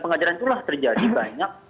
pengajaran itulah terjadi banyak